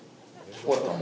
終わったん？